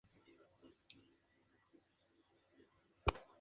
Debía comenzar a regir a partir del final del mandato de Alvarado.